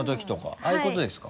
ああいうことですか？